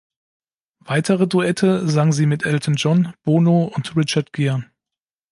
Weitere Duette sang sie mit Elton John, Bono und Richard Gere.